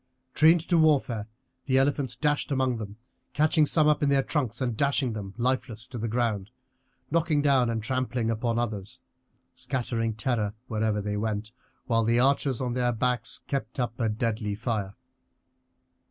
Trained to warfare the elephants dashed among them, catching some up in their trunks and dashing them lifeless to the ground, knocking down and trampling upon others, scattering terror wherever they went, while the archers on their backs kept up a deadly fire.